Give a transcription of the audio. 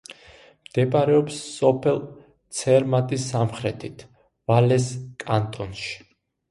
მდებარეობს სოფელ ცერმატის სამხრეთით, ვალეს კანტონში.